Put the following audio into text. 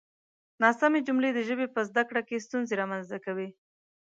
ناسمې جملې د ژبې په زده کړه کې ستونزې رامنځته کوي.